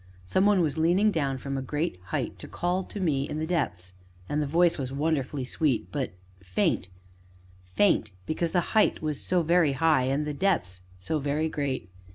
Some one was leaning down from a great height to call to me in the depths; and the voice was wonderfully sweet, but faint, faint, because the height was so very high, and the depths so very great.